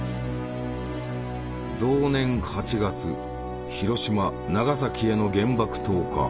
同年８月広島・長崎への原爆投下。